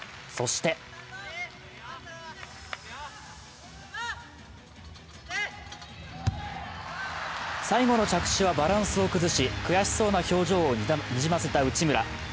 そして最後の着地はバランスを崩し、悔しそうな表情をにじませた内村。